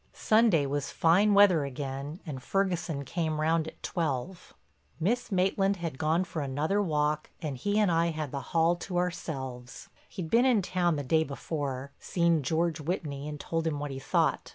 Sunday was fine weather again and Ferguson came round at twelve. Miss Maitland had gone for another walk and he and I had the hall to ourselves. He'd been in town the day before, seen George Whitney and told him what he thought.